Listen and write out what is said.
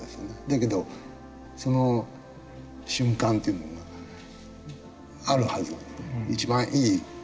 だけどその瞬間というのがあるはずなんだよね。